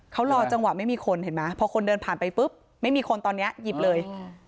เขารอจังหวะไม่มีคนเห็นไหมพอคนเดินผ่านไปปุ๊บไม่มีคนตอนนี้หยิบเลย